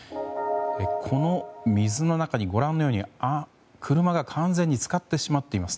この水の中にご覧のように車が完全に浸かってしまっています。